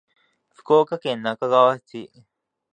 福岡県那珂川市